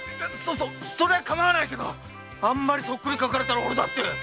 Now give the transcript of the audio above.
そりゃかまわないけどあんまりそっくり描かれたらおれだって。